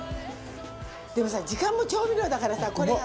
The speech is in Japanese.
でもさ時間も調味料だからさ。